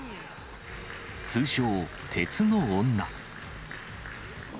通称、鉄の女。